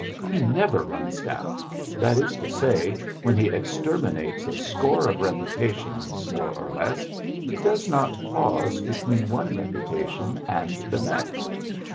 He never runs down that is to say, when he exterminates a score of reputations, more or less, he does not pause between one reputation and the next.